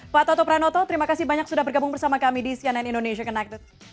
pak toto pranoto terima kasih banyak sudah bergabung bersama kami di cnn indonesia connected